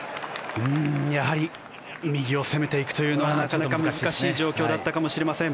やはり右を攻めていくというのはなかなか難しい状況だったかもしれません。